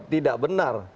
oh tidak benar